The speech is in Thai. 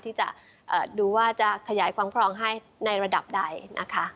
ที่จะดูว่าจะขยายความครองให้ในระดับใดนะคะ